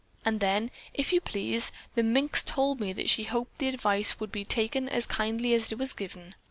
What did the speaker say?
And then, if you please, the minx told me that she hoped the advice would be taken as kindly as it was given.